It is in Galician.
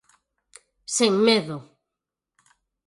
Sen medo.